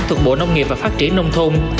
thuộc bộ nông nghiệp và phát triển nông thôn